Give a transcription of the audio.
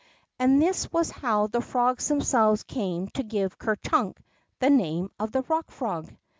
'' And this was how the frogs themselves came to give Ker Chunk the name of the Eock Frog."